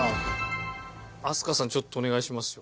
飛鳥さんちょっとお願いしますよ。